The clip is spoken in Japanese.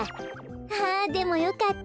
あでもよかった。